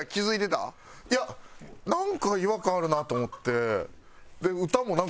いやなんか違和感あるなと思って。